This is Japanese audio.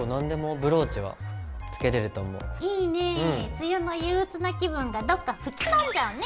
梅雨の憂鬱な気分がどっか吹っ飛んじゃうね！